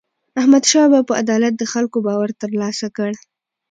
احمدشاه بابا په عدالت د خلکو باور ترلاسه کړ.